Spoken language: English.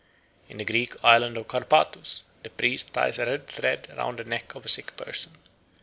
In the Greek island of Karpathos the priest ties a red thread round the neck of a sick person.